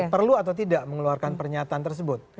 perlu atau tidak mengeluarkan pernyataan tersebut